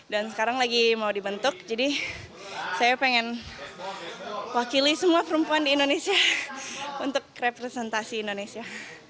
dan sekarang lagi mau dibentuk jadi saya pengen wakili semua perempuan di indonesia untuk representasi indonesia